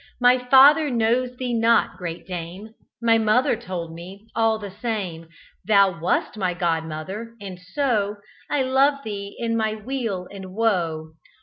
My father knows thee not, great dame; My mother told me, all the same, Thou wast my godmother, and so I love thee in my weal and woe.